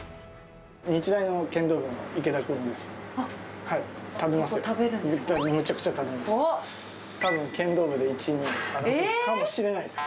日大の剣道部の池田君です。